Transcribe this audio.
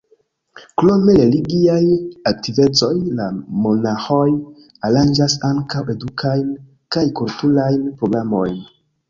Krom religiaj aktivecoj la monaĥoj aranĝas ankaŭ edukajn kaj kulturajn programojn.